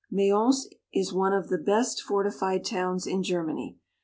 Mayence is one of the best fortified towns in Germany.